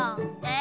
え